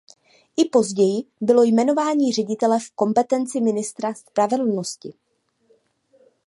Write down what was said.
I později bylo jmenování ředitele v kompetenci ministra spravedlnosti.